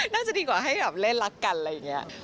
น่าจะดีกว่าให้แบบเล่นรักกันอะไรอย่างนี้